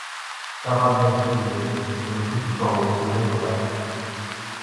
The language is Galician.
Xa van dez días desde que se notificou o primeiro caso.